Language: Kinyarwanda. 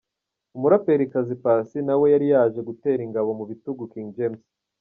Umuraperikazi Paccy nawe yari yaje gutera ingabo mu bitugu King James.